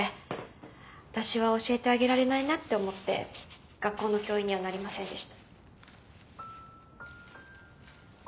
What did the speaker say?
私は教えてあげられないなって思って学校の教員にはなりませんでした。